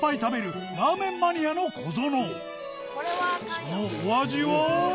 そのお味は？